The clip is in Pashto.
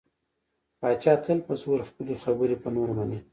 پاچا تل په زور خپلې خبرې په نورو مني .